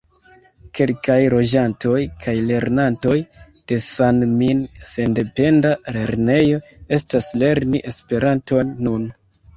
Kelkaj loĝantoj kaj lernantoj de San-Min sendependa lernejo estas lerni Esperanton nun.